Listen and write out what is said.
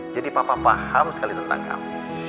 jadi papa paham sekali tentang kamu